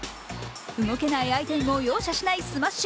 動けない相手にも容赦しないスマッシュ。